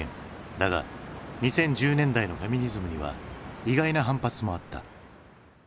だが２０１０年代のフェミニズムには意外な反発もあった。